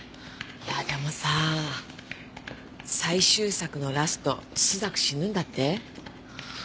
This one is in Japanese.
いやでもさ最終作のラスト朱雀死ぬんだって？